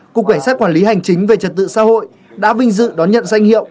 cục cảnh sát quản lý hành chính về trật tự xã hội đã vinh dự đón nhận danh hiệu